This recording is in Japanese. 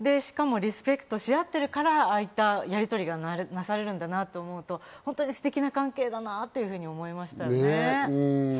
愛し合って、しかもリスペクトし合ってるからああいったやりとりがなされるんだなと思うと本当にすてきな関係だなって思いました。